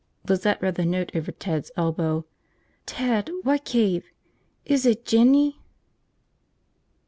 Lizette read the note over Ted's elbow. "Ted, what cave? Is it Jinny?"